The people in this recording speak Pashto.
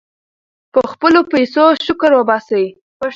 په خپلو پیسو شکر وباسئ.